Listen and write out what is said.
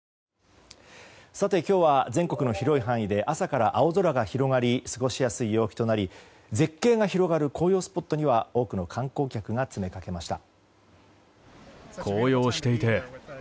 今日は全国の広い範囲で朝から青空が広がり過ごしやすい陽気となり絶景が広がる紅葉スポットには多くの観光客が詰めかけました。